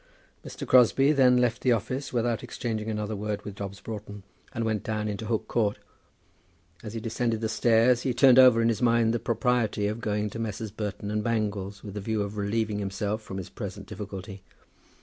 Mr. Crosbie then left the office without exchanging another word with Dobbs Broughton, and went down into Hook Court. As he descended the stairs he turned over in his mind the propriety of going to Messrs. Burton and Bangles with the view of relieving himself from his present difficulty.